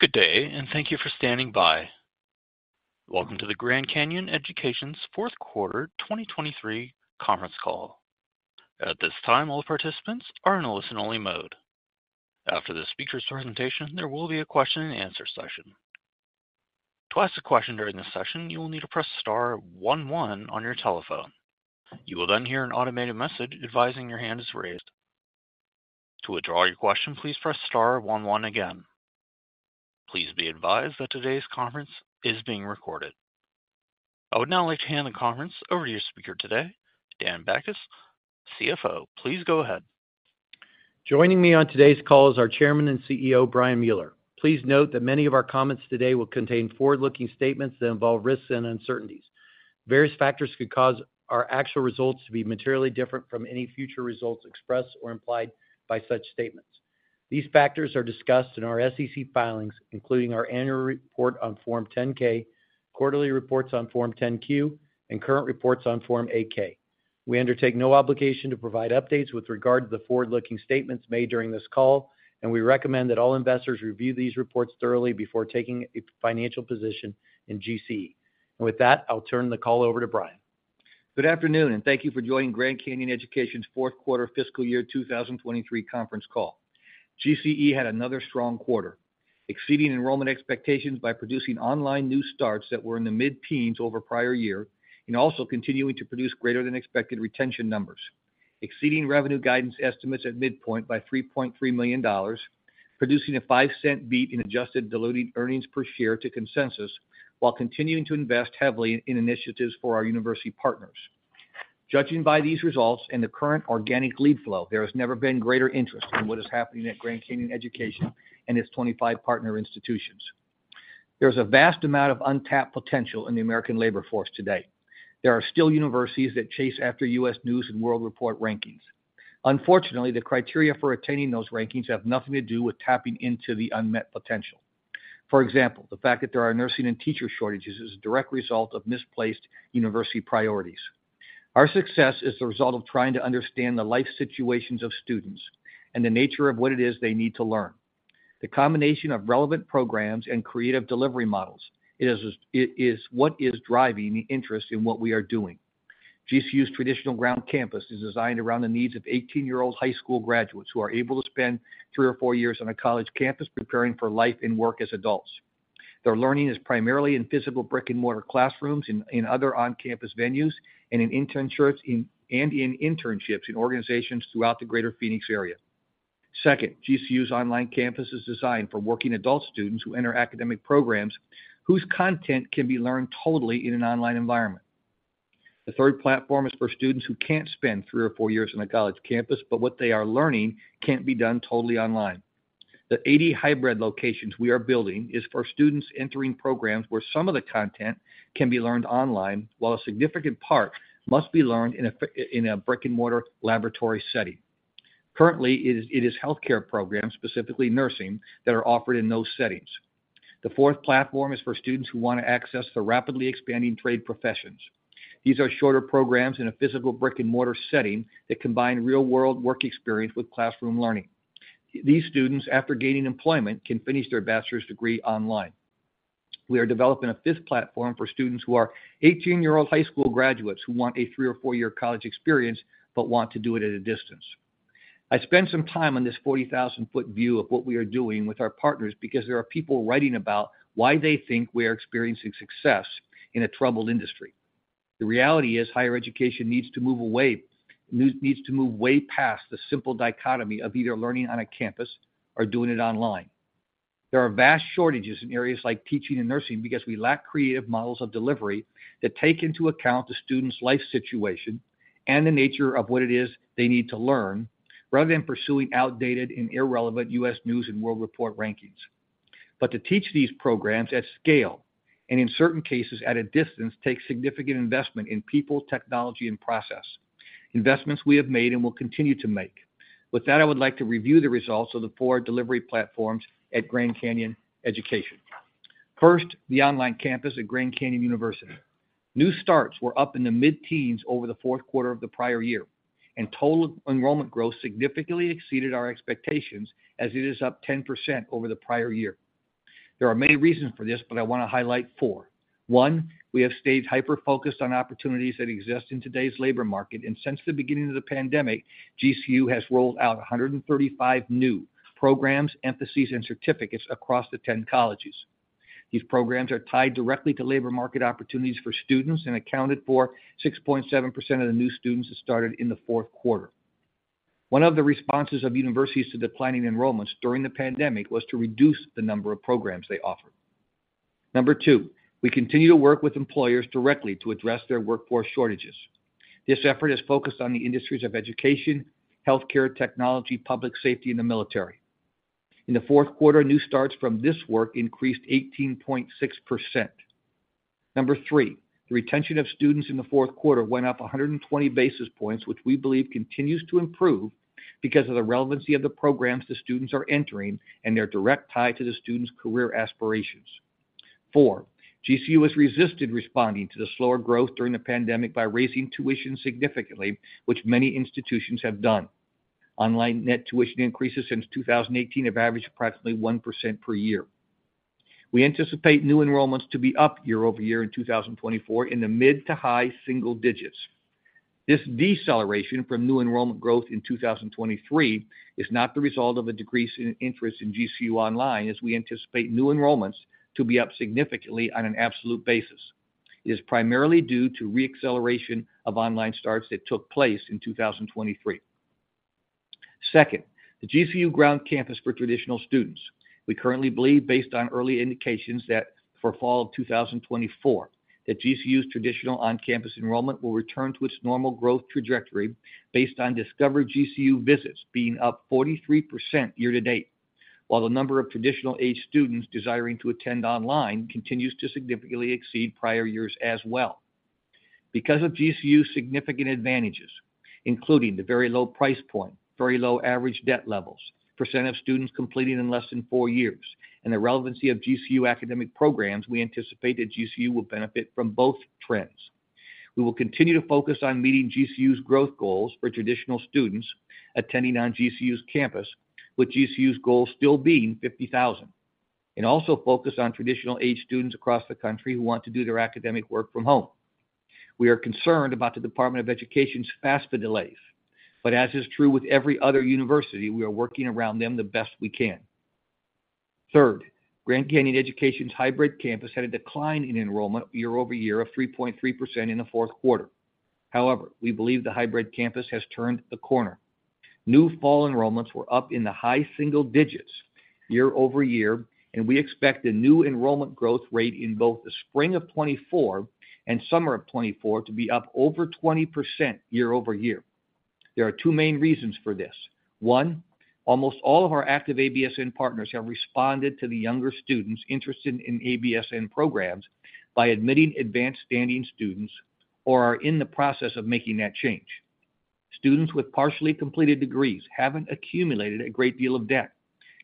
Good day, and thank you for standing by. Welcome to the Grand Canyon Education's fourth quarter 2023 conference call. At this time, all participants are in a listen-only mode. After the speaker's presentation, there will be a question-and-answer session. To ask a question during the session, you will need to press star 11 on your telephone. You will then hear an automated message advising your hand is raised. To withdraw your question, please press star 11 again. Please be advised that today's conference is being recorded. I would now like to hand the conference over to your speaker today, Dan Bachus, CFO. Please go ahead. Joining me on today's call is our Chairman and CEO, Brian Mueller. Please note that many of our comments today will contain forward-looking statements that involve risks and uncertainties. Various factors could cause our actual results to be materially different from any future results expressed or implied by such statements. These factors are discussed in our SEC filings, including our annual report on Form 10-K, quarterly reports on Form 10-Q, and current reports on Form 8-K. We undertake no obligation to provide updates with regard to the forward-looking statements made during this call, and we recommend that all investors review these reports thoroughly before taking a financial position in GCE. With that, I'll turn the call over to Brian. Good afternoon, and thank you for joining Grand Canyon Education's fourth quarter fiscal year 2023 conference call. GCE had another strong quarter, exceeding enrollment expectations by producing online new starts that were in the mid-teens over prior year and also continuing to produce greater-than-expected retention numbers, exceeding revenue guidance estimates at midpoint by $3.3 million, producing a $0.05 beat in adjusted diluted earnings per share to consensus while continuing to invest heavily in initiatives for our university partners. Judging by these results and the current organic lead flow, there has never been greater interest in what is happening at Grand Canyon Education and its 25 partner institutions. There is a vast amount of untapped potential in the American labor force today. There are still universities that chase after U.S. News & World Report rankings. Unfortunately, the criteria for attaining those rankings have nothing to do with tapping into the unmet potential. For example, the fact that there are nursing and teacher shortages is a direct result of misplaced university priorities. Our success is the result of trying to understand the life situations of students and the nature of what it is they need to learn. The combination of relevant programs and creative delivery models is what is driving the interest in what we are doing. GCU's traditional ground campus is designed around the needs of 18-year-old high school graduates who are able to spend three or four years on a college campus preparing for life and work as adults. Their learning is primarily in physical brick-and-mortar classrooms and in other on-campus venues and in internships in organizations throughout the Greater Phoenix area. Second, GCU's online campus is designed for working adult students who enter academic programs whose content can be learned totally in an online environment. The third platform is for students who can't spend three or four years on a college campus, but what they are learning can't be done totally online. The 80 hybrid locations we are building is for students entering programs where some of the content can be learned online while a significant part must be learned in a brick-and-mortar laboratory setting. Currently, it is healthcare programs, specifically nursing, that are offered in those settings. The fourth platform is for students who want to access the rapidly expanding trade professions. These are shorter programs in a physical brick-and-mortar setting that combine real-world work experience with classroom learning. These students, after gaining employment, can finish their bachelor's degree online. We are developing a fifth platform for students who are 18-year-old high school graduates who want a 3- or 4-year college experience but want to do it at a distance. I spent some time on this 40,000-foot view of what we are doing with our partners because there are people writing about why they think we are experiencing success in a troubled industry. The reality is higher education needs to move away, needs to move way past the simple dichotomy of either learning on a campus or doing it online. There are vast shortages in areas like teaching and nursing because we lack creative models of delivery that take into account the student's life situation and the nature of what it is they need to learn rather than pursuing outdated and irrelevant U.S. News & World Report rankings. But to teach these programs at scale and, in certain cases, at a distance, takes significant investment in people, technology, and process, investments we have made and will continue to make. With that, I would like to review the results of the four delivery platforms at Grand Canyon Education. First, the online campus at Grand Canyon University. New starts were up in the mid-teens over the fourth quarter of the prior year, and total enrollment growth significantly exceeded our expectations as it is up 10% over the prior year. There are many reasons for this, but I want to highlight four. One, we have stayed hyper-focused on opportunities that exist in today's labor market, and since the beginning of the pandemic, GCU has rolled out 135 new programs, emphases, and certificates across the 10 colleges. These programs are tied directly to labor market opportunities for students and accounted for 6.7% of the new students that started in the fourth quarter. One of the responses of universities to declining enrollments during the pandemic was to reduce the number of programs they offered. Number 2, we continue to work with employers directly to address their workforce shortages. This effort is focused on the industries of education, healthcare, technology, public safety, and the military. In the fourth quarter, new starts from this work increased 18.6%. Number 3, the retention of students in the fourth quarter went up 120 basis points, which we believe continues to improve because of the relevancy of the programs the students are entering and their direct tie to the students' career aspirations. 4, GCU has resisted responding to the slower growth during the pandemic by raising tuition significantly, which many institutions have done. Online net tuition increases since 2018 have averaged approximately 1% per year. We anticipate new enrollments to be up year-over-year in 2024 in the mid to high single digits. This deceleration from new enrollment growth in 2023 is not the result of a decrease in interest in GCU online, as we anticipate new enrollments to be up significantly on an absolute basis. It is primarily due to re-acceleration of online starts that took place in 2023. Second, the GCU ground campus for traditional students. We currently believe, based on early indications for fall of 2024, that GCU's traditional on-campus enrollment will return to its normal growth trajectory based on Discover GCU visits being up 43% year-to-date, while the number of traditional-age students desiring to attend online continues to significantly exceed prior years as well. Because of GCU's significant advantages, including the very low price point, very low average debt levels, percent of students completing in less than four years, and the relevancy of GCU academic programs, we anticipate that GCU will benefit from both trends. We will continue to focus on meeting GCU's growth goals for traditional students attending on GCU's campus, with GCU's goal still being 50,000, and also focus on traditional-age students across the country who want to do their academic work from home. We are concerned about the Department of Education's FAFSA delays, but as is true with every other university, we are working around them the best we can. Third, Grand Canyon Education's Hybrid Campus had a decline in enrollment year-over-year of 3.3% in the fourth quarter. However, we believe the Hybrid Campus has turned the corner. New fall enrollments were up in the high single digits year-over-year, and we expect the new enrollment growth rate in both the spring of 2024 and summer of 2024 to be up over 20% year-over-year. There are two main reasons for this. One, almost all of our active ABSN partners have responded to the younger students interested in ABSN programs by admitting advanced-standing students or are in the process of making that change. Students with partially completed degrees haven't accumulated a great deal of debt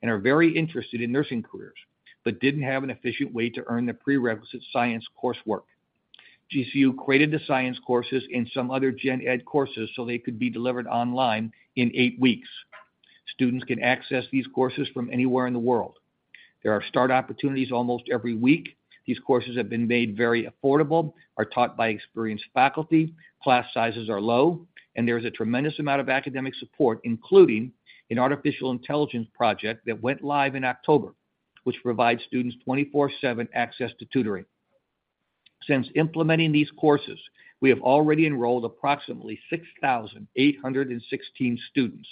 and are very interested in nursing careers but didn't have an efficient way to earn the prerequisite science coursework. GCU created the science courses and some other gen ed courses so they could be delivered online in 8 weeks. Students can access these courses from anywhere in the world. There are start opportunities almost every week. These courses have been made very affordable, are taught by experienced faculty, class sizes are low, and there is a tremendous amount of academic support, including an artificial intelligence project that went live in October, which provides students 24/7 access to tutoring. Since implementing these courses, we have already enrolled approximately 6,816 students.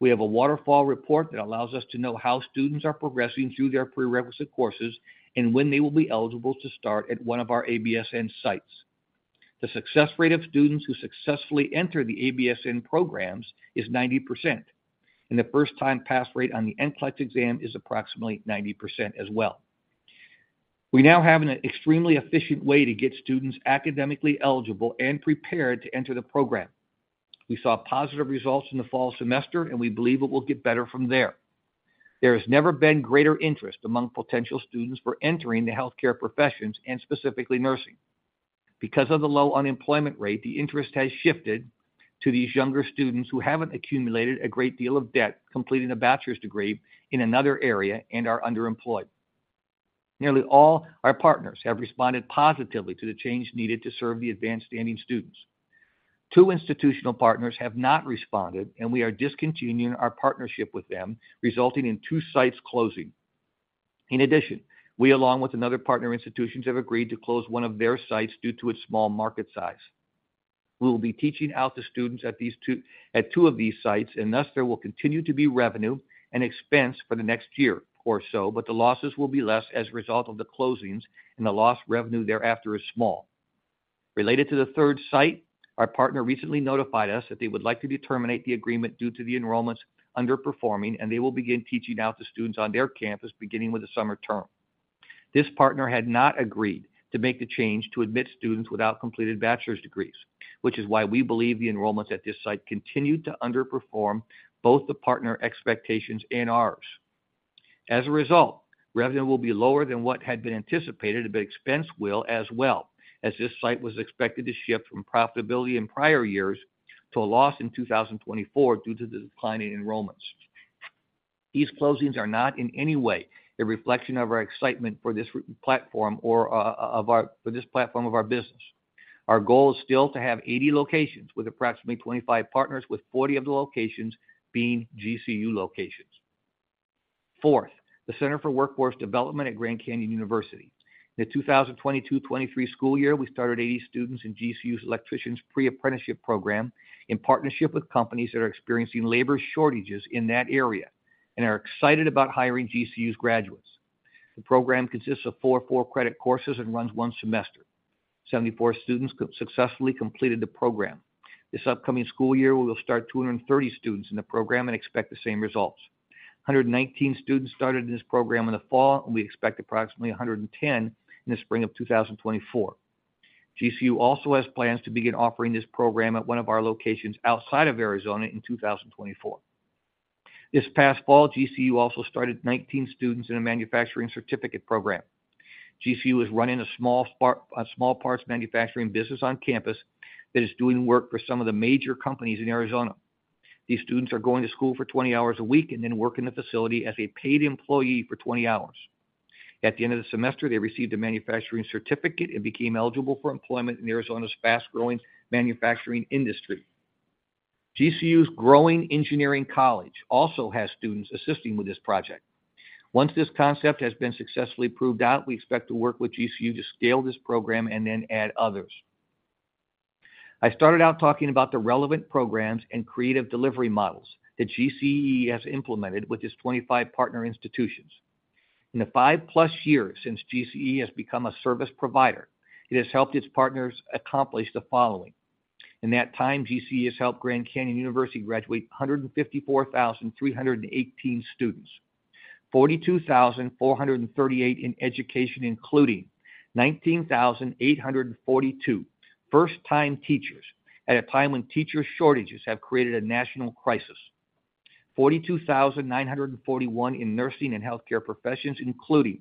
We have a waterfall report that allows us to know how students are progressing through their prerequisite courses and when they will be eligible to start at one of our ABSN sites. The success rate of students who successfully enter the ABSN programs is 90%, and the first-time pass rate on the NCLEX exam is approximately 90% as well. We now have an extremely efficient way to get students academically eligible and prepared to enter the program. We saw positive results in the fall semester, and we believe it will get better from there. There has never been greater interest among potential students for entering the healthcare professions and specifically nursing. Because of the low unemployment rate, the interest has shifted to these younger students who haven't accumulated a great deal of debt completing a bachelor's degree in another area and are underemployed. Nearly all our partners have responded positively to the change needed to serve the Advanced-Standing Students. Two institutional partners have not responded, and we are discontinuing our partnership with them, resulting in two sites closing. In addition, we, along with another partner institutions, have agreed to close one of their sites due to its small market size. We will be teaching out to students at two of these sites, and thus there will continue to be revenue and expense for the next year or so, but the losses will be less as a result of the closings, and the lost revenue thereafter is small. Related to the third site, our partner recently notified us that they would like to terminate the agreement due to the enrollments underperforming, and they will begin teaching out to students on their campus beginning with the summer term. This partner had not agreed to make the change to admit students without completed bachelor's degrees, which is why we believe the enrollments at this site continued to underperform both the partner expectations and ours. As a result, revenue will be lower than what had been anticipated, but expense will as well, as this site was expected to shift from profitability in prior years to a loss in 2024 due to the decline in enrollments. These closings are not in any way a reflection of our excitement for this platform or for this platform of our business. Our goal is still to have 80 locations with approximately 25 partners, with 40 of the locations being GCU locations. Fourth, the Center for Workforce Development at Grand Canyon University. In the 2022-23 school year, we started 80 students in GCU's electricians pre-apprenticeship program in partnership with companies that are experiencing labor shortages in that area and are excited about hiring GCU's graduates. The program consists of 4 4-credit courses and runs one semester. 74 students successfully completed the program. This upcoming school year, we will start 230 students in the program and expect the same results. 119 students started in this program in the fall, and we expect approximately 110 in the spring of 2024. GCU also has plans to begin offering this program at one of our locations outside of Arizona in 2024. This past fall, GCU also started 19 students in a manufacturing certificate program. GCU is running a small parts manufacturing business on campus that is doing work for some of the major companies in Arizona. These students are going to school for 20 hours a week and then work in the facility as a paid employee for 20 hours. At the end of the semester, they received a manufacturing certificate and became eligible for employment in Arizona's fast-growing manufacturing industry. GCU's growing engineering college also has students assisting with this project. Once this concept has been successfully proved out, we expect to work with GCU to scale this program and then add others. I started out talking about the relevant programs and creative delivery models that GCE has implemented with its 25 partner institutions. In the 5+ years since GCE has become a service provider, it has helped its partners accomplish the following. In that time, GCE has helped Grand Canyon University graduate 154,318 students, 42,438 in education including 19,842 first-time teachers at a time when teacher shortages have created a national crisis, 42,941 in nursing and healthcare professions including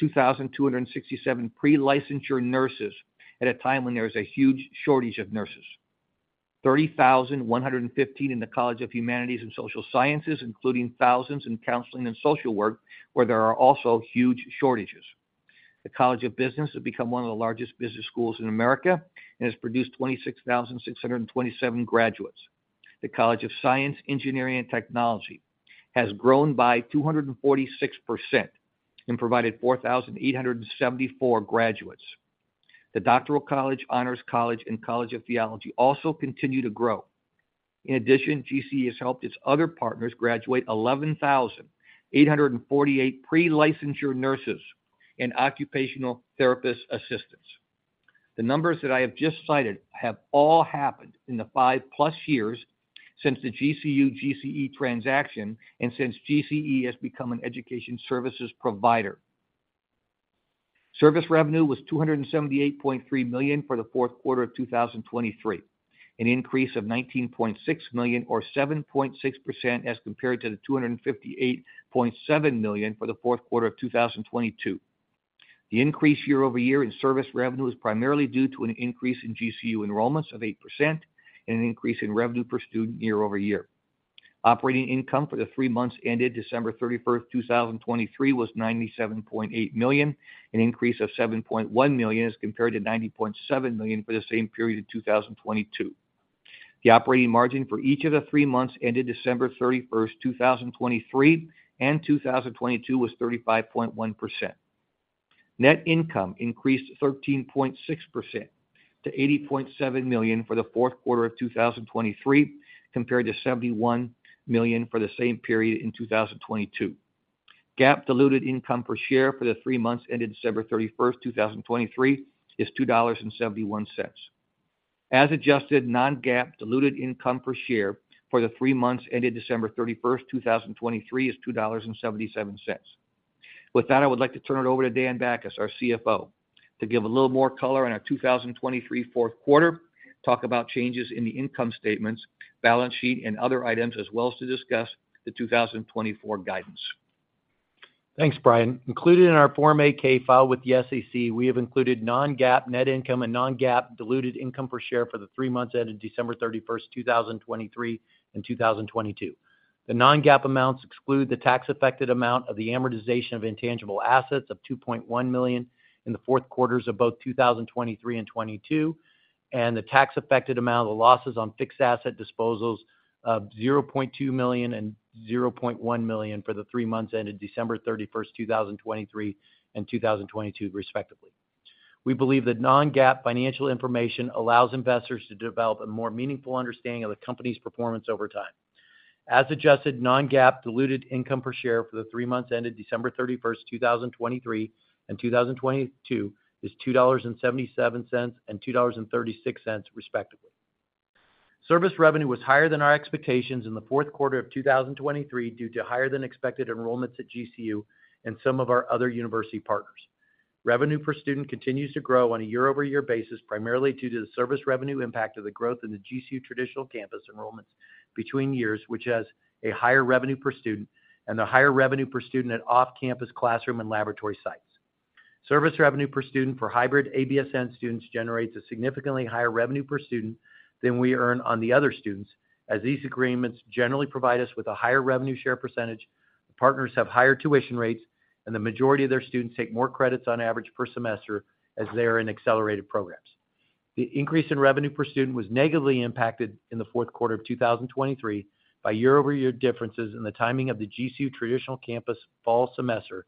2,267 pre-licensure nurses at a time when there is a huge shortage of nurses, 30,115 in the College of Humanities and Social Sciences including thousands in counseling and social work where there are also huge shortages. The College of Business has become one of the largest business schools in America and has produced 26,627 graduates. The College of Science, Engineering, and Technology has grown by 246% and provided 4,874 graduates. The Doctoral College, Honors College, and College of Theology also continue to grow. In addition, GCE has helped its other partners graduate 11,848 pre-licensure nurses and occupational therapist assistants. The numbers that I have just cited have all happened in the five-plus years since the GCU-GCE transaction and since GCE has become an education services provider. Service revenue was $278.3 million for the fourth quarter of 2023, an increase of $19.6 million or 7.6% as compared to the $258.7 million for the fourth quarter of 2022. The increase year-over-year in service revenue is primarily due to an increase in GCU enrollments of 8% and an increase in revenue per student year-over-year. Operating income for the three months ended December 31, 2023, was $97.8 million, an increase of $7.1 million as compared to $90.7 million for the same period in 2022. The operating margin for each of the three months ended December 31, 2023, and 2022 was 35.1%. Net income increased 13.6% to $80.7 million for the fourth quarter of 2023 compared to $71 million for the same period in 2022. GAAP diluted income per share for the three months ended December 31, 2023, is $2.71. As adjusted, non-GAAP diluted income per share for the three months ended December 31, 2023, is $2.77. With that, I would like to turn it over to Dan Bachus, our CFO, to give a little more color on our 2023 fourth quarter, talk about changes in the income statements, balance sheet, and other items as well as to discuss the 2024 guidance. Thanks, Brian. Included in our Form 8-K filed with the SEC, we have included non-GAAP net income and non-GAAP diluted income per share for the three months ended December 31, 2023, and 2022. The non-GAAP amounts exclude the tax-affected amount of the amortization of intangible assets of $2.1 million in the fourth quarters of both 2023 and 2022, and the tax-affected amount of the losses on fixed asset disposals of $0.2 million and $0.1 million for the three months ended December 31, 2023, and 2022 respectively. We believe that non-GAAP financial information allows investors to develop a more meaningful understanding of the company's performance over time. As adjusted, non-GAAP diluted income per share for the three months ended December 31, 2023, and 2022 is $2.77 and $2.36 respectively. Service revenue was higher than our expectations in the fourth quarter of 2023 due to higher-than-expected enrollments at GCU and some of our other university partners. Revenue per student continues to grow on a year-over-year basis primarily due to the service revenue impact of the growth in the GCU traditional campus enrollments between years, which has a higher revenue per student and the higher revenue per student at off-campus classroom and laboratory sites. Service revenue per student for hybrid ABSN students generates a significantly higher revenue per student than we earn on the other students, as these agreements generally provide us with a higher revenue share percentage. The partners have higher tuition rates, and the majority of their students take more credits on average per semester as they are in accelerated programs. The increase in revenue per student was negatively impacted in the fourth quarter of 2023 by year-over-year differences in the timing of the GCU traditional campus fall semester,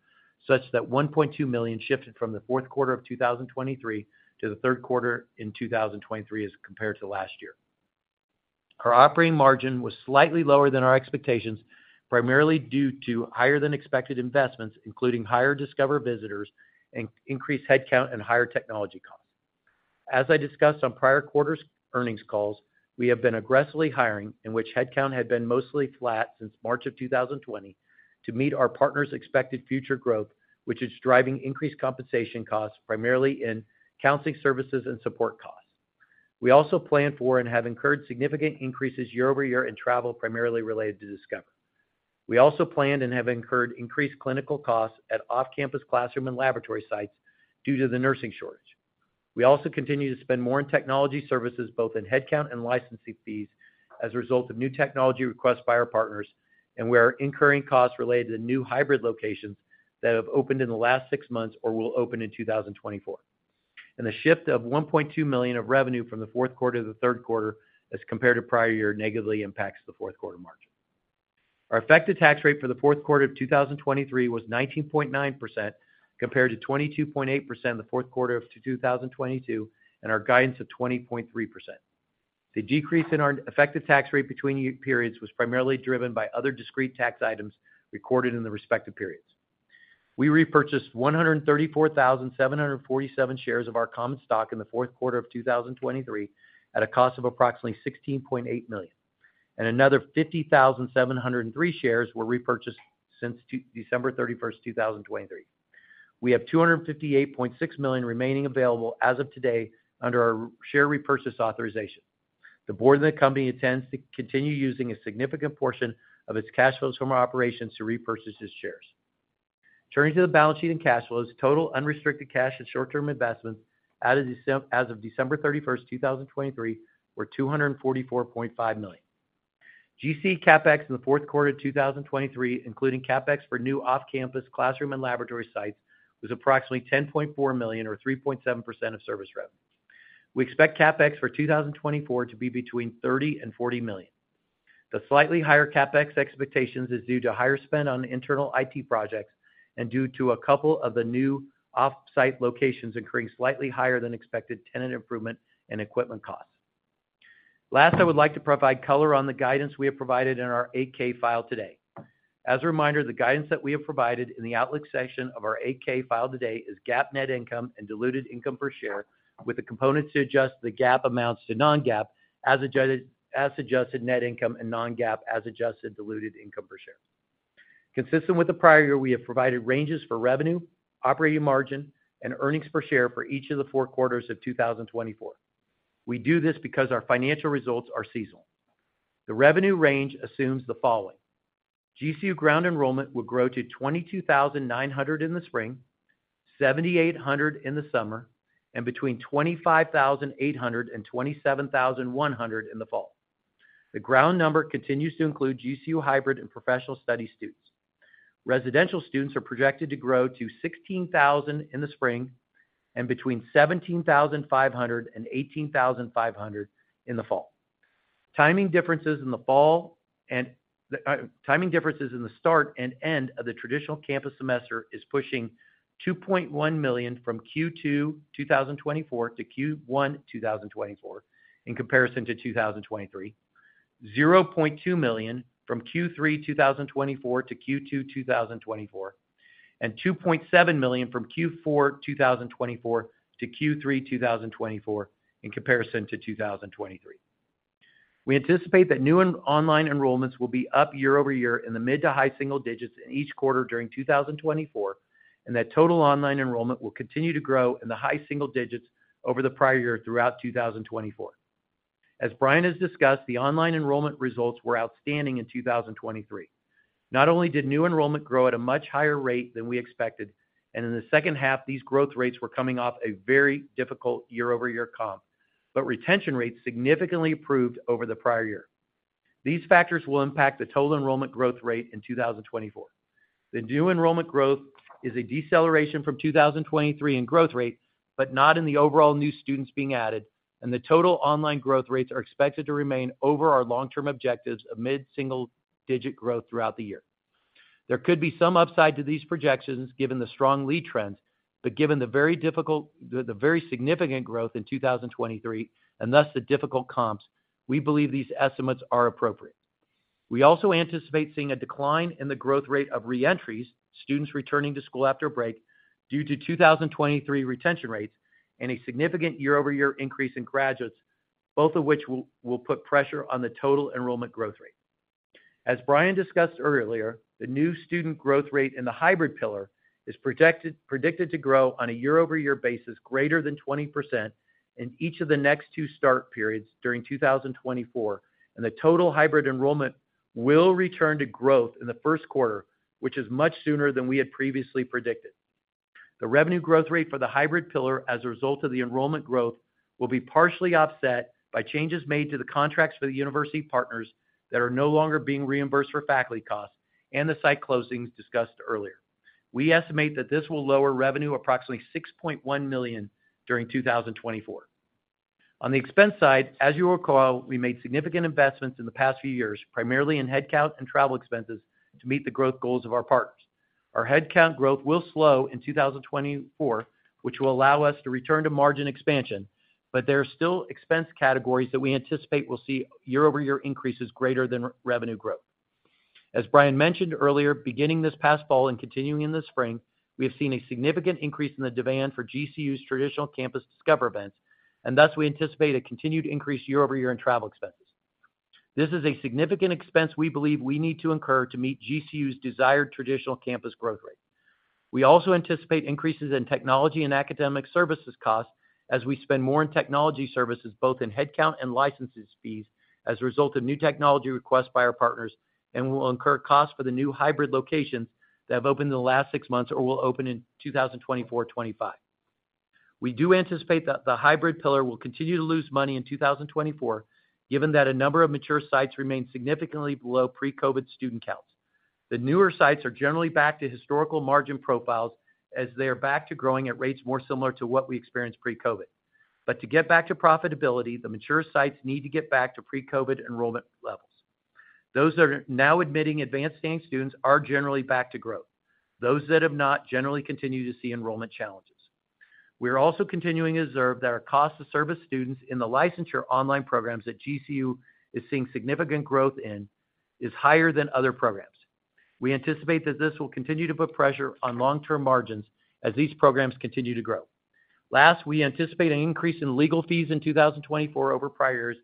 such that $1.2 million shifted from the fourth quarter of 2023 to the third quarter in 2023 as compared to last year. Our operating margin was slightly lower than our expectations primarily due to higher-than-expected investments, including higher Discover visitors and increased headcount and higher technology costs. As I discussed on prior quarters' earnings calls, we have been aggressively hiring in which headcount had been mostly flat since March of 2020 to meet our partners' expected future growth, which is driving increased compensation costs primarily in counseling services and support costs. We also plan for and have incurred significant increases year over year in travel primarily related to Discover. We also plan and have incurred increased clinical costs at off-campus classroom and laboratory sites due to the nursing shortage. We also continue to spend more in technology services both in headcount and licensing fees as a result of new technology requests by our partners, and we are incurring costs related to new hybrid locations that have opened in the last six months or will open in 2024. The shift of $1.2 million of revenue from the fourth quarter to the third quarter as compared to prior year negatively impacts the fourth quarter margin. Our effective tax rate for the fourth quarter of 2023 was 19.9% compared to 22.8% in the fourth quarter of 2022 and our guidance of 20.3%. The decrease in our effective tax rate between periods was primarily driven by other discrete tax items recorded in the respective periods. We repurchased 134,747 shares of our common stock in the fourth quarter of 2023 at a cost of approximately $16.8 million, and another 50,703 shares were repurchased since December 31, 2023. We have $258.6 million remaining available as of today under our share repurchase authorization. The board and the company intend to continue using a significant portion of its cash flows from our operations to repurchase its shares. Turning to the balance sheet and cash flows, total unrestricted cash and short-term investments as of December 31, 2023, were $244.5 million. GCE CapEx in the fourth quarter of 2023, including CapEx for new off-campus classroom and laboratory sites, was approximately $10.4 million or 3.7% of service revenue. We expect CapEx for 2024 to be between $30 million and $40 million. The slightly higher CapEx expectations are due to higher spend on internal IT projects and due to a couple of the new off-site locations incurring slightly higher-than-expected tenant improvement and equipment costs. Last, I would like to provide color on the guidance we have provided in our 8-K file today. As a reminder, the guidance that we have provided in the outlook section of our 8-K file today is GAAP net income and diluted income per share with the components to adjust the GAAP amounts to non-GAAP as adjusted net income and non-GAAP as adjusted diluted income per share. Consistent with the prior year, we have provided ranges for revenue, operating margin, and earnings per share for each of the four quarters of 2024. We do this because our financial results are seasonal. The revenue range assumes the following: GCU ground enrollment will grow to 22,900 in the spring, 7,800 in the summer, and between 25,800 and 27,100 in the fall. The ground number continues to include GCU hybrid and professional study students. Residential students are projected to grow to 16,000 in the spring and between 17,500 and 18,500 in the fall. Timing differences in the fall and timing differences in the start and end of the traditional campus semester are pushing $2.1 million from Q2 2024 to Q1 2024 in comparison to 2023, $0.2 million from Q3 2024 to Q2 2024, and $2.7 million from Q4 2024 to Q3 2024 in comparison to 2023. We anticipate that new online enrollments will be up year-over-year in the mid to high single digits in each quarter during 2024, and that total online enrollment will continue to grow in the high single digits over the prior year throughout 2024. As Brian has discussed, the online enrollment results were outstanding in 2023. Not only did new enrollment grow at a much higher rate than we expected, and in the second half, these growth rates were coming off a very difficult year-over-year comp, but retention rates significantly improved over the prior year. These factors will impact the total enrollment growth rate in 2024. The new enrollment growth is a deceleration from 2023 in growth rate, but not in the overall new students being added, and the total online growth rates are expected to remain over our long-term objectives of mid-single digit growth throughout the year. There could be some upside to these projections given the strong lead trends, but given the very difficult, the very significant growth in 2023 and thus the difficult comps, we believe these estimates are appropriate. We also anticipate seeing a decline in the growth rate of reentries, students returning to school after break due to 2023 retention rates, and a significant year-over-year increase in graduates, both of which will put pressure on the total enrollment growth rate. As Brian discussed earlier, the new student growth rate in the hybrid pillar is predicted to grow on a year-over-year basis greater than 20% in each of the next two start periods during 2024, and the total hybrid enrollment will return to growth in the first quarter, which is much sooner than we had previously predicted. The revenue growth rate for the hybrid pillar as a result of the enrollment growth will be partially offset by changes made to the contracts for the university partners that are no longer being reimbursed for faculty costs and the site closings discussed earlier. We estimate that this will lower revenue approximately $6.1 million during 2024. On the expense side, as you recall, we made significant investments in the past few years primarily in headcount and travel expenses to meet the growth goals of our partners. Our headcount growth will slow in 2024, which will allow us to return to margin expansion, but there are still expense categories that we anticipate will see year-over-year increases greater than revenue growth. As Brian mentioned earlier, beginning this past fall and continuing in the spring, we have seen a significant increase in the demand for GCU's traditional campus Discover events, and thus we anticipate a continued increase year-over-year in travel expenses. This is a significant expense we believe we need to incur to meet GCU's desired traditional campus growth rate. We also anticipate increases in technology and academic services costs as we spend more in technology services both in headcount and licensing fees as a result of new technology requests by our partners, and we will incur costs for the new hybrid locations that have opened in the last six months or will open in 2024-2025. We do anticipate that the hybrid pillar will continue to lose money in 2024 given that a number of mature sites remain significantly below pre-COVID student counts. The newer sites are generally back to historical margin profiles as they are back to growing at rates more similar to what we experienced pre-COVID. But to get back to profitability, the mature sites need to get back to pre-COVID enrollment levels. Those that are now admitting advanced-standing students are generally back to growth. Those that have not generally continue to see enrollment challenges. We are also continuing to observe that our cost-to-service students in the licensure online programs that GCU is seeing significant growth in are higher than other programs. We anticipate that this will continue to put pressure on long-term margins as these programs continue to grow. Last, we anticipate an increase in legal fees in 2024 over prior years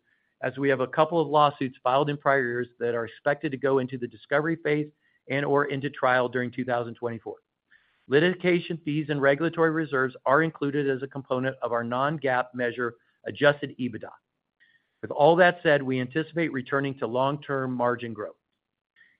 as we have a couple of lawsuits filed in prior years that are expected to go into the Discovery phase and/or into trial during 2024. Litigation fees and regulatory reserves are included as a component of our Non-GAAP measure Adjusted EBITDA. With all that said, we anticipate returning to long-term margin growth.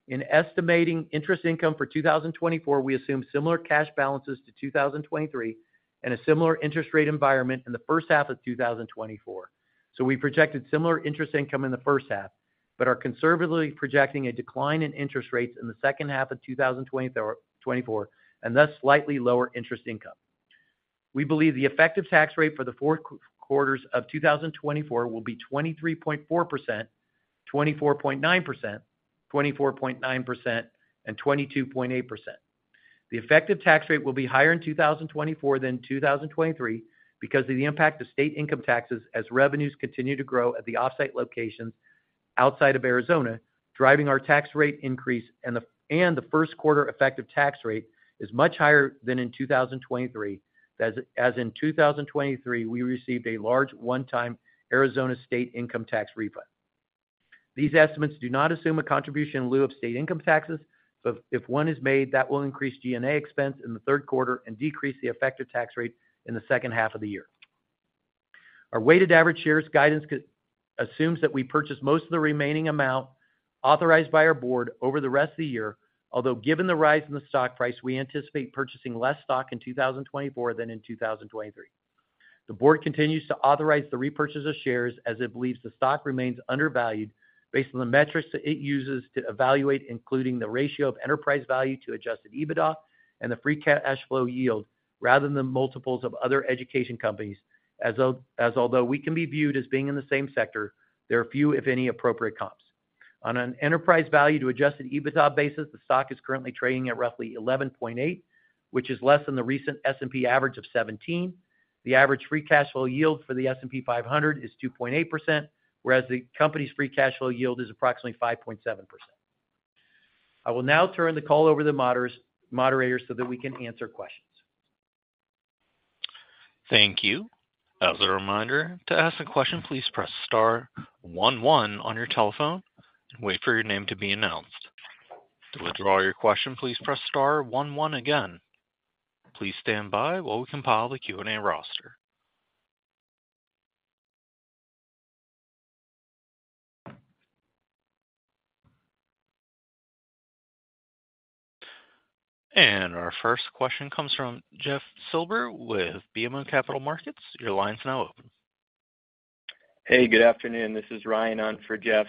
In estimating interest income for 2024, we assume similar cash balances to 2023 and a similar interest rate environment in the first half of 2024. So we projected similar interest income in the first half, but are conservatively projecting a decline in interest rates in the second half of 2024 and thus slightly lower interest income. We believe the effective tax rate for the fourth quarters of 2024 will be 23.4%, 24.9%, 24.9%, and 22.8%. The effective tax rate will be higher in 2024 than 2023 because of the impact of state income taxes as revenues continue to grow at the off-site locations outside of Arizona, driving our tax rate increase, and the first quarter effective tax rate is much higher than in 2023 as in 2023 we received a large one-time Arizona state income tax refund. These estimates do not assume a contribution in lieu of state income taxes, so if one is made, that will increase G&A expense in the third quarter and decrease the effective tax rate in the second half of the year. Our weighted average shares guidance assumes that we purchase most of the remaining amount authorized by our board over the rest of the year, although given the rise in the stock price, we anticipate purchasing less stock in 2024 than in 2023. The board continues to authorize the repurchase of shares as it believes the stock remains undervalued based on the metrics it uses to evaluate, including the ratio of enterprise value to Adjusted EBITDA and the free cash flow yield rather than the multiples of other education companies, as although we can be viewed as being in the same sector, there are few, if any, appropriate comps. On an enterprise value to Adjusted EBITDA basis, the stock is currently trading at roughly 11.8, which is less than the recent S&P average of 17. The average free cash flow yield for the S&P 500 is 2.8%, whereas the company's free cash flow yield is approximately 5.7%. I will now turn the call over to the moderators so that we can answer questions. Thank you. As a reminder, to ask a question, please press star 11 on your telephone and wait for your name to be announced. To withdraw your question, please press star 11 again. Please stand by while we compile the Q&A roster. Our first question comes from Jeff Silber with BMO Capital Markets. Your line's now open. Hey, good afternoon. This is Ryan on for Jeff.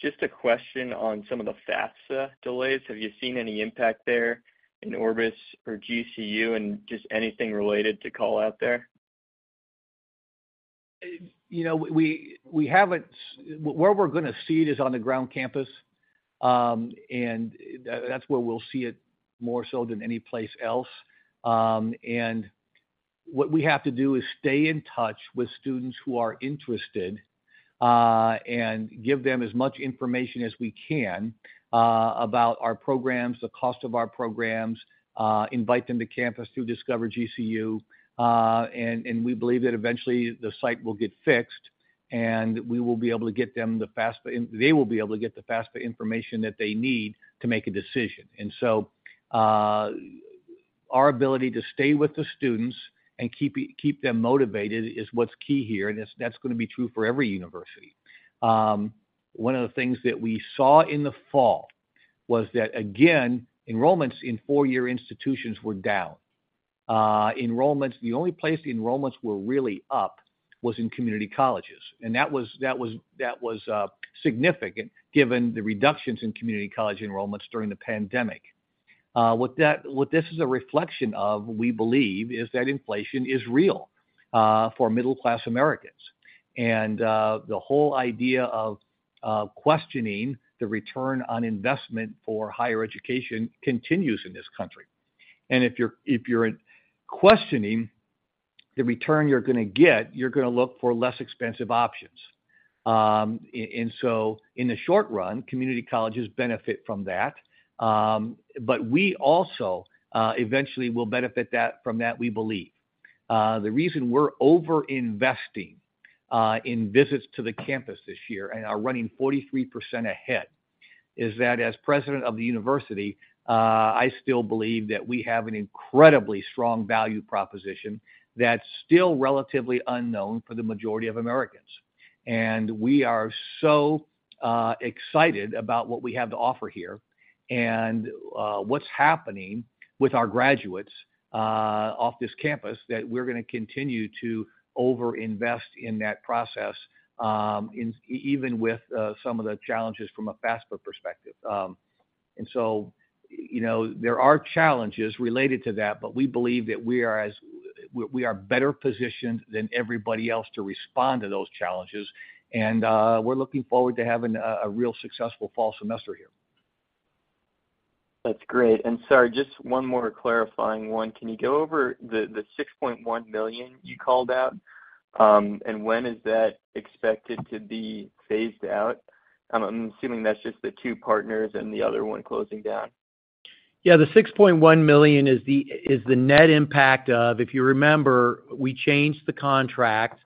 Just a question on some of the FAFSA delays. Have you seen any impact there in Orbis or GCU and just anything related to call out there? We haven't where we're going to see it is on the ground campus, and that's where we'll see it more so than any place else. What we have to do is stay in touch with students who are interested and give them as much information as we can about our programs, the cost of our programs, invite them to campus through Discover GCU. We believe that eventually the site will get fixed, and we will be able to get them the FAFSA they will be able to get the FAFSA information that they need to make a decision. So our ability to stay with the students and keep them motivated is what's key here, and that's going to be true for every university. One of the things that we saw in the fall was that, again, enrollments in four-year institutions were down. The only place enrollments were really up was in community colleges. That was significant given the reductions in community college enrollments during the pandemic. What this is a reflection of, we believe, is that inflation is real for middle-class Americans. The whole idea of questioning the return on investment for higher education continues in this country. If you're questioning the return you're going to get, you're going to look for less expensive options. So in the short run, community colleges benefit from that. But we also eventually will benefit from that, we believe. The reason we're overinvesting in visits to the campus this year and are running 43% ahead is that as president of the university, I still believe that we have an incredibly strong value proposition that's still relatively unknown for the majority of Americans. We are so excited about what we have to offer here and what's happening with our graduates off this campus that we're going to continue to overinvest in that process, even with some of the challenges from a FAFSA perspective. So there are challenges related to that, but we believe that we are better positioned than everybody else to respond to those challenges. We're looking forward to having a real successful fall semester here. That's great. Sorry, just one more clarifying one. Can you go over the $6.1 million you called out, and when is that expected to be phased out? I'm assuming that's just the two partners and the other one closing down. Yeah, the $6.1 million is the net impact of if you remember, we changed the contract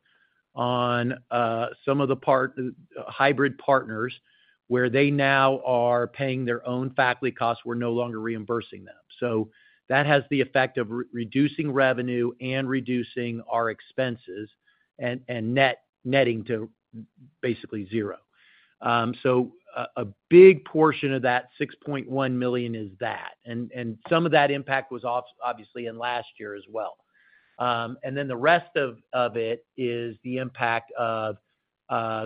on some of the hybrid partners where they now are paying their own faculty costs. We're no longer reimbursing them. So that has the effect of reducing revenue and reducing our expenses and netting to basically zero. So a big portion of that $6.1 million is that. And some of that impact was obviously in last year as well. And then the rest of it is the impact of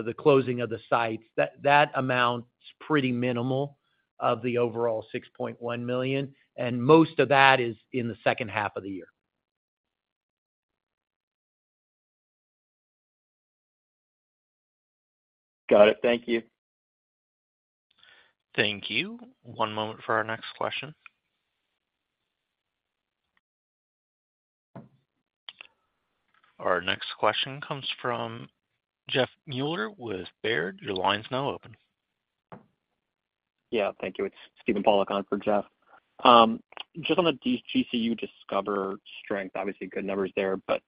the closing of the sites. That amount's pretty minimal of the overall $6.1 million, and most of that is in the second half of the year. Got it. Thank you. Thank you. One moment for our next question. Our next question comes from Jeffrey Meuler with Baird. Your line's now open. Yeah, thank you. It's Steve Pollack on for Jeff. Just on the Discover GCU strength, obviously, good numbers there, but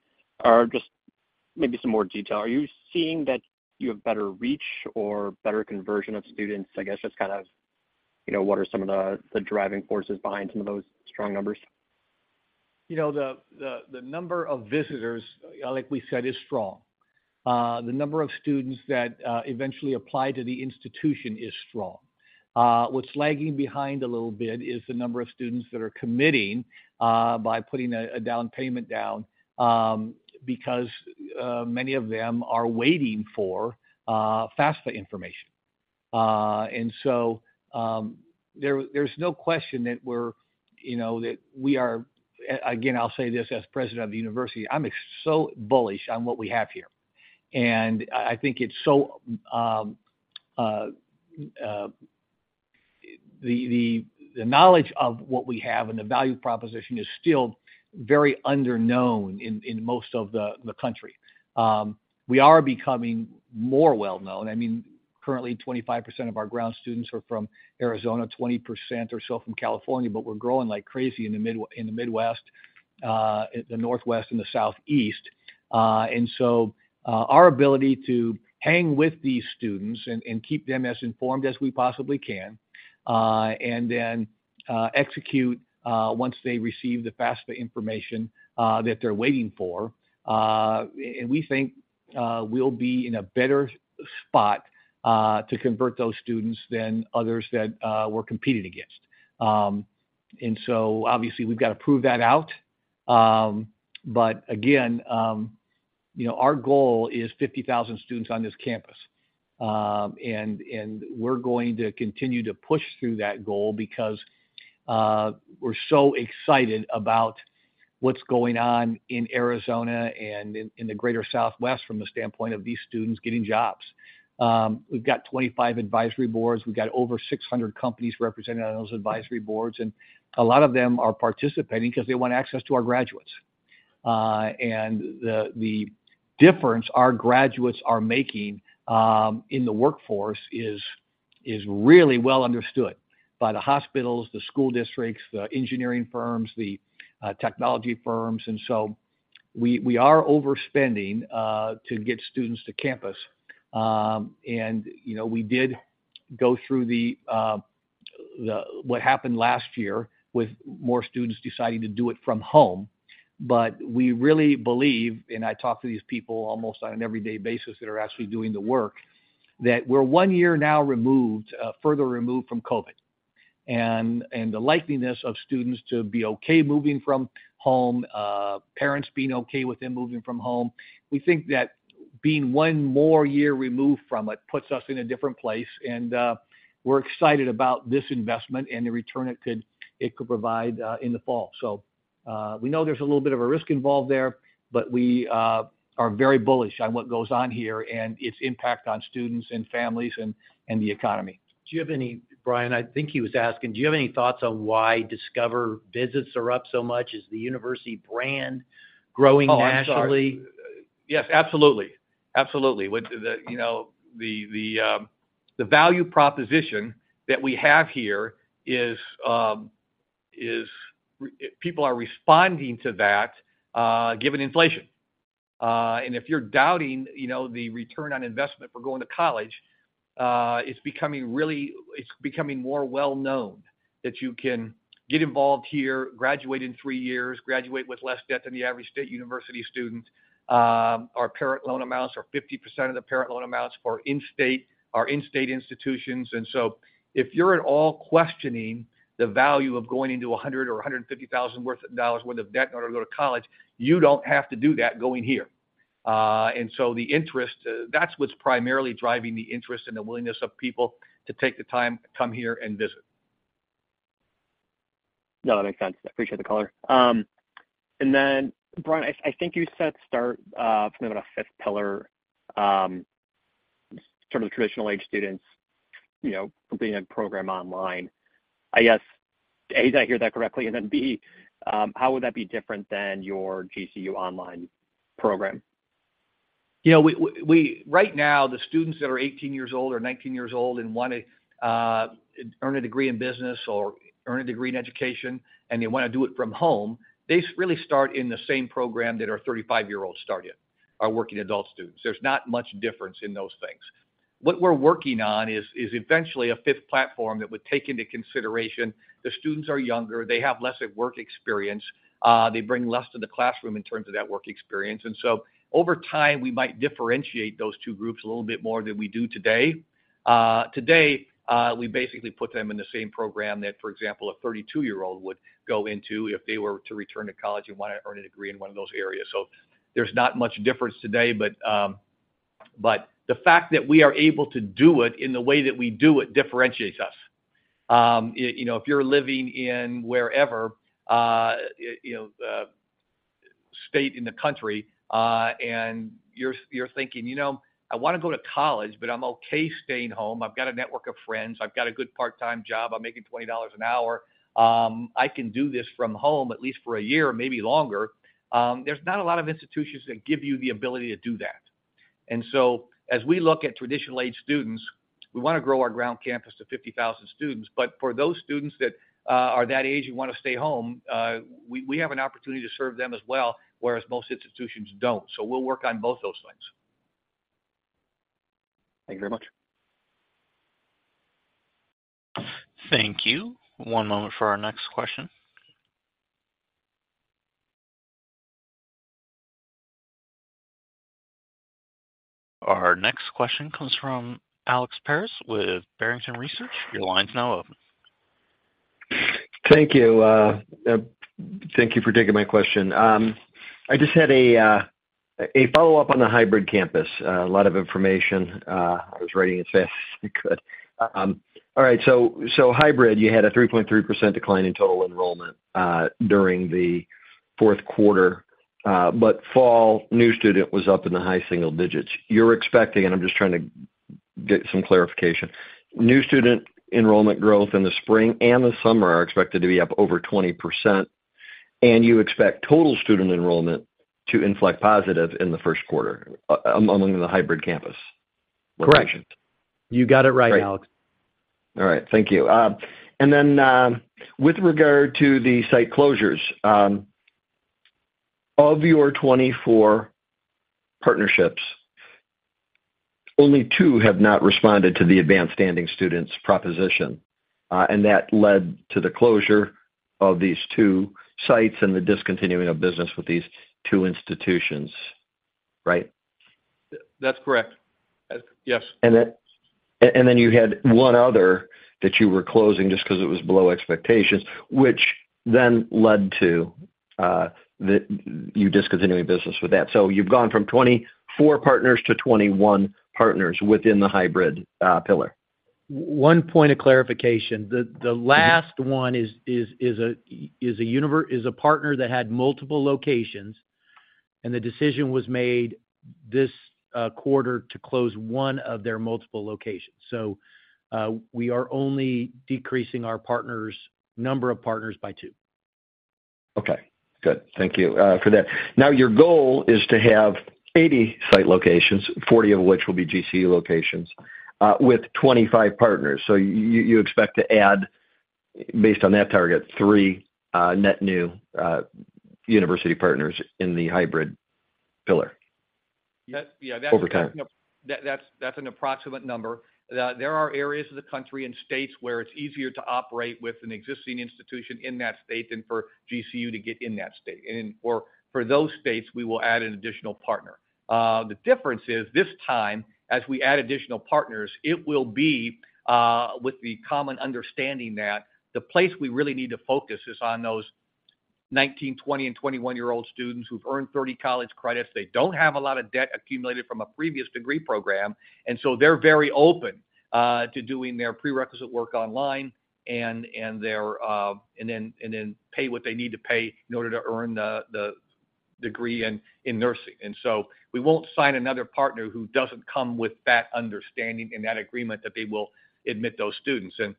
maybe some more detail. Are you seeing that you have better reach or better conversion of students? I guess just kind of what are some of the driving forces behind some of those strong numbers? The number of visitors, like we said, is strong. The number of students that eventually apply to the institution is strong. What's lagging behind a little bit is the number of students that are committing by putting a down payment down because many of them are waiting for FAFSA information. And so there's no question that we are again, I'll say this as president of the university, I'm so bullish on what we have here. And I think it's so the knowledge of what we have and the value proposition is still very unknown in most of the country. We are becoming more well-known. I mean, currently, 25% of our ground students are from Arizona, 20% or so from California, but we're growing like crazy in the Midwest, the Northwest, and the Southeast. So our ability to hang with these students and keep them as informed as we possibly can and then execute once they receive the FAFSA information that they're waiting for, and we think, will be in a better spot to convert those students than others that we're competing against. So obviously, we've got to prove that out. But again, our goal is 50,000 students on this campus. We're going to continue to push through that goal because we're so excited about what's going on in Arizona and in the greater Southwest from the standpoint of these students getting jobs. We've got 25 advisory boards. We've got over 600 companies represented on those advisory boards. A lot of them are participating because they want access to our graduates. The difference our graduates are making in the workforce is really well understood by the hospitals, the school districts, the engineering firms, the technology firms. So we are overspending to get students to campus. And we did go through what happened last year with more students deciding to do it from home. But we really believe - and I talk to these people almost on an every day basis that are actually doing the work - that we're one year now further removed from COVID. And the likeliness of students to be okay moving from home, parents being okay with them moving from home, we think that being one more year removed from it puts us in a different place. And we're excited about this investment and the return it could provide in the fall. So we know there's a little bit of a risk involved there, but we are very bullish on what goes on here and its impact on students and families and the economy. Brian, I think he was asking, do you have any thoughts on why Discover visits are up so much? Is the university brand growing nationally? Oh, yes. Yes, absolutely. Absolutely. The value proposition that we have here is people are responding to that given inflation. If you're doubting the return on investment for going to college, it's becoming more well-known that you can get involved here, graduate in three years, graduate with less debt than the average state university student. Our parent loan amounts are 50% of the parent loan amounts for our in-state institutions. If you're at all questioning the value of going into $100,000 or $150,000 worth of debt in order to go to college, you don't have to do that going here. That's what's primarily driving the interest and the willingness of people to take the time to come here and visit. No, that makes sense. I appreciate the caller. And then, Brian, I think you said start from about a fifth pillar, sort of traditional-age students completing a program online. I guess, A, did I hear that correctly? And then B, how would that be different than your GCU online program? Right now, the students that are 18 years old or 19 years old and want to earn a degree in business or earn a degree in education and they want to do it from home, they really start in the same program that our 35-year-olds start in, our working adult students. There's not much difference in those things. What we're working on is eventually a fifth platform that would take into consideration the students are younger, they have less work experience, they bring less to the classroom in terms of that work experience. And so over time, we might differentiate those two groups a little bit more than we do today. Today, we basically put them in the same program that, for example, a 32-year-old would go into if they were to return to college and want to earn a degree in one of those areas. There's not much difference today. But the fact that we are able to do it in the way that we do it differentiates us. If you're living in whatever state in the country and you're thinking, "I want to go to college, but I'm okay staying home. I've got a network of friends. I've got a good part-time job. I'm making $20 an hour. I can do this from home at least for a year, maybe longer." There's not a lot of institutions that give you the ability to do that. And so as we look at traditional-age students, we want to grow our ground campus to 50,000 students. But for those students that are that age and want to stay home, we have an opportunity to serve them as well, whereas most institutions don't. So we'll work on both those things. Thank you very much. Thank you. One moment for our next question. Our next question comes from Alex Paris with Barrington Research. Your line's now open. Thank you. Thank you for taking my question. I just had a follow-up on the Hybrid Campus. A lot of information. I was writing as fast as I could. All right. So Hybrid Campus, you had a 3.3% decline in total enrollment during the fourth quarter. But fall, new student was up in the high single digits. And I'm just trying to get some clarification. New student enrollment growth in the spring and the summer are expected to be up over 20%. And you expect total student enrollment to inflect positive in the first quarter among the Hybrid Campus locations. Correct. You got it right, Alex. All right. Thank you. Then with regard to the site closures, of your 24 partnerships, only two have not responded to the Advanced-Standing Students proposition. That led to the closure of these two sites and the discontinuing of business with these two institutions, right? That's correct. Yes. You had one other that you were closing just because it was below expectations, which then led to you discontinuing business with that. You've gone from 24 partners to 21 partners within the hybrid pillar. One point of clarification. The last one is a partner that had multiple locations, and the decision was made this quarter to close one of their multiple locations. So we are only decreasing our number of partners by two. Okay. Good. Thank you for that. Now, your goal is to have 80 site locations, 40 of which will be GCU locations, with 25 partners. So you expect to add, based on that target, 3 net new university partners in the hybrid pillar over time. Yeah, that's an approximate number. There are areas of the country and states where it's easier to operate with an existing institution in that state than for GCU to get in that state. For those states, we will add an additional partner. The difference is this time, as we add additional partners, it will be with the common understanding that the place we really need to focus is on those 19-, 20-, and 21-year-old students who've earned 30 college credits. They don't have a lot of debt accumulated from a previous degree program. So they're very open to doing their prerequisite work online and then pay what they need to pay in order to earn the degree in nursing. So we won't sign another partner who doesn't come with that understanding and that agreement that they will admit those students. And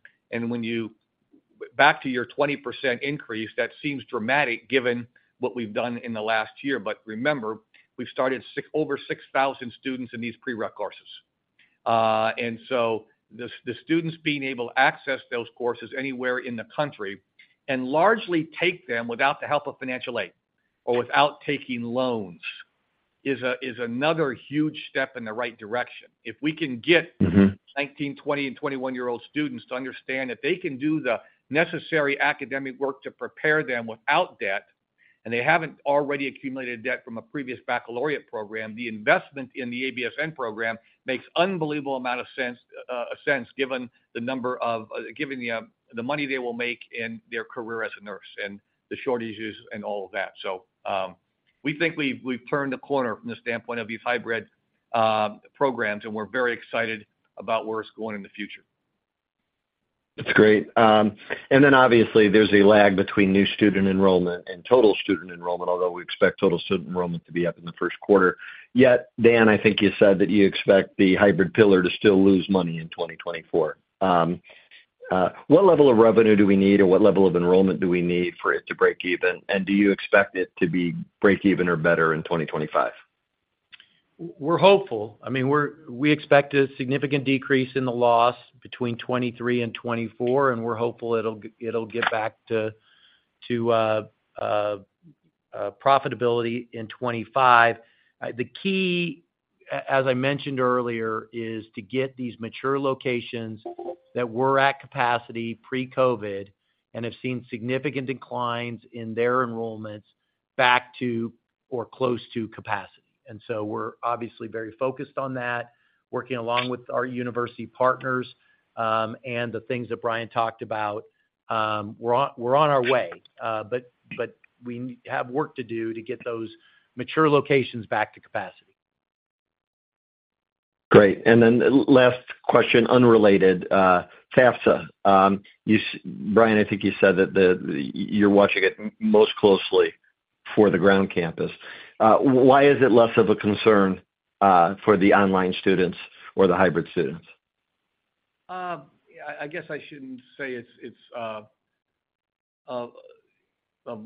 back to your 20% increase, that seems dramatic given what we've done in the last year. But remember, we've started over 6,000 students in these prerequisites. And so the students being able to access those courses anywhere in the country and largely take them without the help of financial aid or without taking loans is another huge step in the right direction. If we can get 19-, 20-, and 21-year-old students to understand that they can do the necessary academic work to prepare them without debt, and they haven't already accumulated debt from a previous baccalaureate program, the investment in the ABSN program makes an unbelievable amount of sense given the number of the money they will make in their career as a nurse and the shortages and all of that. We think we've turned the corner from the standpoint of these hybrid programs, and we're very excited about where it's going in the future. That's great. And then obviously, there's a lag between new student enrollment and total student enrollment, although we expect total student enrollment to be up in the first quarter. Yet, Dan, I think you said that you expect the hybrid pillar to still lose money in 2024. What level of revenue do we need, or what level of enrollment do we need for it to break even? And do you expect it to be break-even or better in 2025? We're hopeful. I mean, we expect a significant decrease in the loss between 2023 and 2024, and we're hopeful it'll get back to profitability in 2025. The key, as I mentioned earlier, is to get these mature locations that were at capacity pre-COVID and have seen significant declines in their enrollments back to or close to capacity. And so we're obviously very focused on that, working along with our university partners and the things that Brian talked about. We're on our way, but we have work to do to get those mature locations back to capacity. Great. And then last question, unrelated, FAFSA. Brian, I think you said that you're watching it most closely for the ground campus. Why is it less of a concern for the online students or the hybrid students? I guess I shouldn't say it's of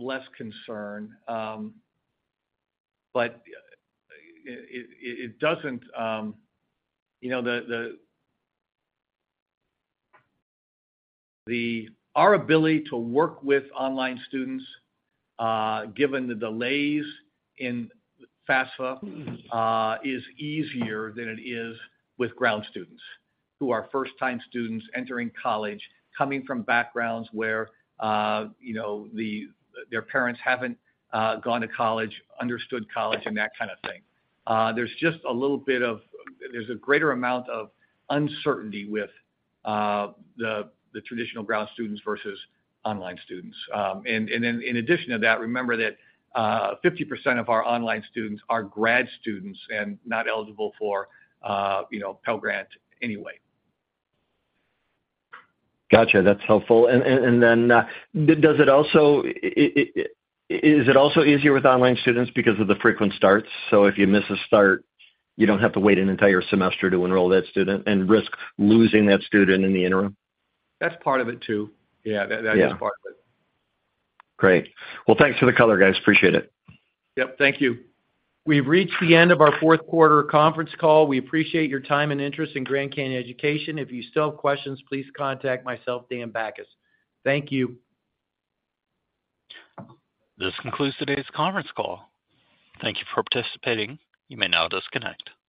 less concern, but it doesn't our ability to work with online students, given the delays in FAFSA, is easier than it is with ground students who are first-time students entering college, coming from backgrounds where their parents haven't gone to college, understood college, and that kind of thing. There's just a little bit of a greater amount of uncertainty with the traditional ground students versus online students. And then in addition to that, remember that 50% of our online students are grad students and not eligible for Pell Grant anyway. Gotcha. That's helpful. And then is it also easier with online students because of the frequent starts? So if you miss a start, you don't have to wait an entire semester to enroll that student and risk losing that student in the interim? That's part of it too. Yeah, that is part of it. Great. Well, thanks for the caller, guys. Appreciate it. Yep. Thank you. We've reached the end of our fourth quarter conference call. We appreciate your time and interest in Grand Canyon Education. If you still have questions, please contact myself, Dan Bachus. Thank you. This concludes today's conference call. Thank you for participating. You may now disconnect.